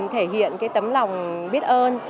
thể hiện tấm lòng biết ơn